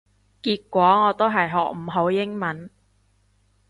結果我都係學唔好英文